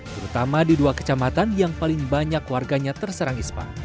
terutama di dua kecamatan yang paling banyak warganya terserang ispa